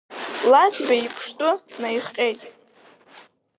Ладбеи иԥштәы наихҟьеит.